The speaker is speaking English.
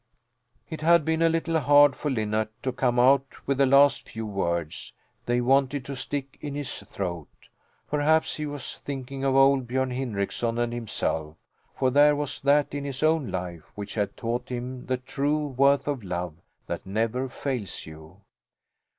It had been a little hard for Linnart to come out with the last few words; they wanted to stick in his throat. Perhaps he was thinking of old Björn Hindrickson and himself, for there was that in his own life which had taught him the true worth of a love that never fails you.